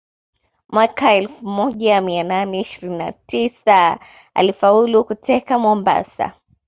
Mwaka elfu moja mia nane ishirini na tisa alifaulu kuteka Mombasa